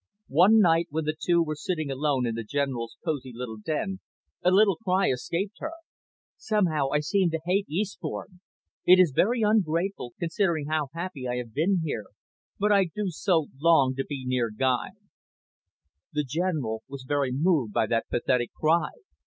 One night when the two were sitting alone in the General's cosy little den, a little cry escaped her. "Somehow, I seem to hate Eastbourne! It is very ungrateful, considering how happy I have been here. But I do so long to be near Guy." The General was very moved by that pathetic cry.